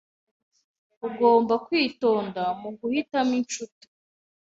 Ugomba kwitonda muguhitamo inshuti.